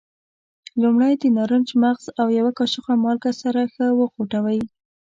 لومړی د نارنج مغز او یوه کاشوغه مالګه سره ښه وخوټوئ.